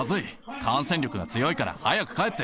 感染力が強いから、早く帰って。